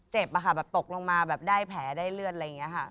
ค่ะแบบตกลงมาแบบได้แผลได้เลือดอะไรอย่างนี้ค่ะ